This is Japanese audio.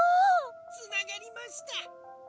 「つながりました！」。